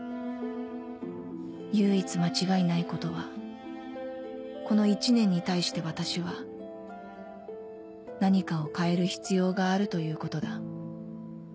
唯一間違いないことはこの１年に対して私は何かを変える必要があるということだ